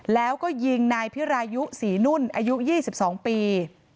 แล้วก็ยิงนายพิรายุศรีนุ่นอายุ๒๒ปี